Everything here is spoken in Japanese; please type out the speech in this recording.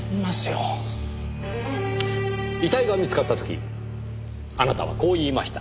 遺体が見つかった時あなたはこう言いました。